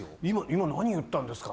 「今何言ったんですか？」